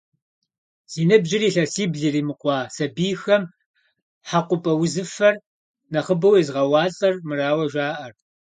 Зи ныбжьыр илъэсибл иримыкъуа сабийхэм хьэкъупӏэ узыфэр нэхъыбэу езыгъэуалӏэр мырауэ жаӏэр.